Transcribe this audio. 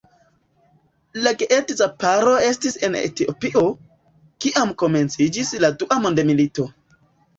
La geedza paro estis en Etiopio, kiam komenciĝis la dua mondmilito.